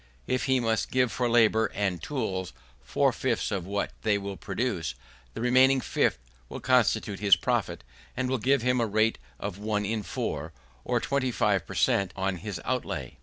If he must give for labour and tools four fifths of what they will produce, the remaining fifth will constitute his profit, and will give him a rate of one in four, or twenty five per cent, on his outlay.